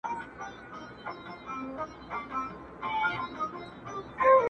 هر مشکل ته پیدا کېږي یوه لاره-